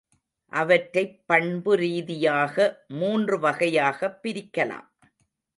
அவற்றைப் பண்புரீதியாக மூன்று வகையாகப் பிரிக்கலாம்.